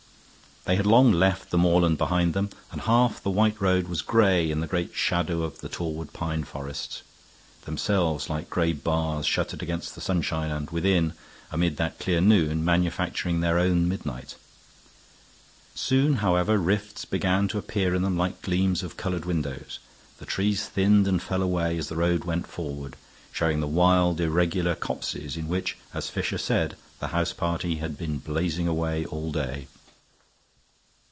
They had long left the moorland behind them, and half the white road was gray in the great shadow of the Torwood pine forests, themselves like gray bars shuttered against the sunshine and within, amid that clear noon, manufacturing their own midnight. Soon, however, rifts began to appear in them like gleams of colored windows; the trees thinned and fell away as the road went forward, showing the wild, irregular copses in which, as Fisher said, the house party had been blazing away all day.